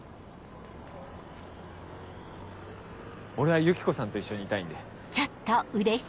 俺はユキコさんと一緒にいたいんで。